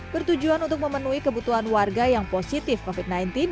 kami siang untuk penerbaan untuk melibatkan penguasaan dari tim mati yang ofisial